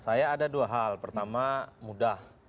saya ada dua hal pertama mudah